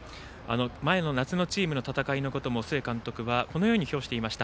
前の夏のチームの戦い方も須江監督はこのように評していました。